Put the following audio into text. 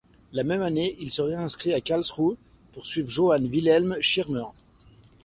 La même année, il se réinscrit à Karlsruhe pour suivre Johann Wilhelm Schirmer.